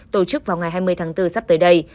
tổ chức vào ngày hai mươi tháng bốn sắp tới đây